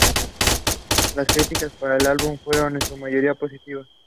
Las críticas para el álbum fueron en su mayoría positivas.